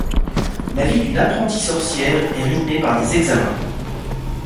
La vie d'une apprentie sorcière est rythmée par des examens.